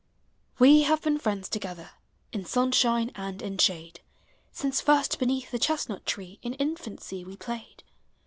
We have been friends together In sunshine and in shade, Since first beneath the chestnut tree In infancy we played.